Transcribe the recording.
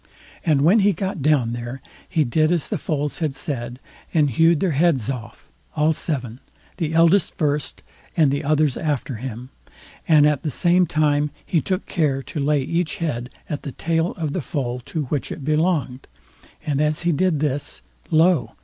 And when he got down there, he did as the Foals had said, and hewed their heads off, all seven, the eldest first, and the others after him; and at the same time he took care to lay each head at the tail of the foal to which it belonged; and as he did this, lo!